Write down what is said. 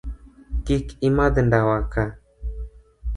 Kik imadh ndawa ka